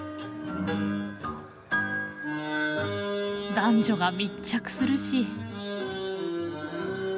男女が密着するし。